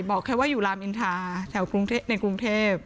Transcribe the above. บอกแค่ว่าอยู่รามอินทาแถวในกรุงเทพ